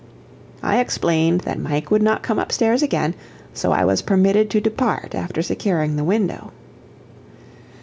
I explained that Mike would not come upstairs again, so I was permitted to depart after securing the window.